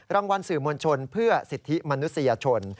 รางวัลสื่อมวลชนเพื่อสิทธิมนุษยชน